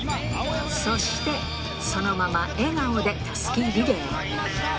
そして、そのまま笑顔でたすきリレー。